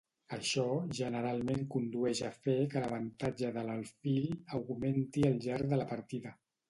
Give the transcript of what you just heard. Això generalment condueix a fer que l’avantatge de l’alfil augmenti al llarg de la partida.